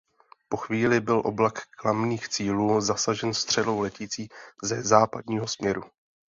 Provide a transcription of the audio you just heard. Po chvíli byl oblak klamných cílů zasažen střelou letící ze západního směru.